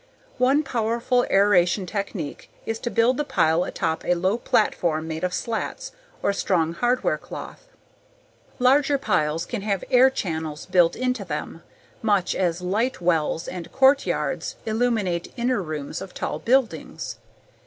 One powerful aeration technique is to build the pile atop a low platform made of slats or strong hardware cloth. Larger piles can have air channels built into them much as light wells and courtyards illuminate inner rooms of tall buildings.